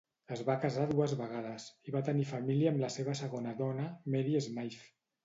Es va casar dues vegades, i va tenir família amb la seva segona dona, Mary Smythe.